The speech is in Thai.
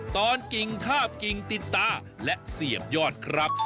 กิ่งคาบกิ่งติดตาและเสียบยอดครับ